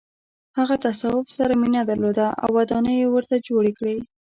هغه تصوف سره مینه درلوده او ودانۍ یې ورته جوړې کړې.